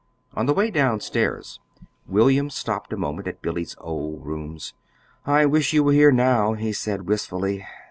On the way down stairs William stopped a moment at Billy's old rooms. "I wish you were here now," he said wistfully.